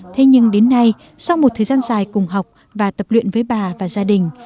thế nhưng đến nay sau một thời gian dài cùng học và tập luyện với bà và gia đình